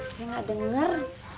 saya nggak denger